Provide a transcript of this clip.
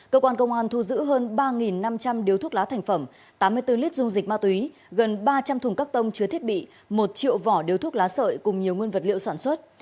cơ quan công an thu giữ hơn ba năm trăm linh điếu thuốc lá thành phẩm tám mươi bốn lít dung dịch ma túy gần ba trăm linh thùng cắt tông chứa thiết bị một triệu vỏ điếu thuốc lá sợi cùng nhiều nguyên vật liệu sản xuất